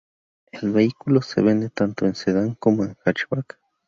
El vehículo se vende tanto en sedán como en hatchback.